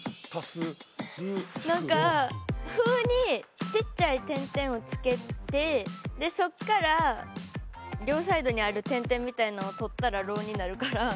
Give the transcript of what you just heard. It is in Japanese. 「ふ」にちっちゃい点々を付けてでそっから両サイドにある点々みたいのを取ったら「ろ」になるから。